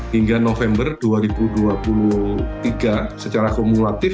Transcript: hingga november dua ribu dua puluh tiga secara kumulatif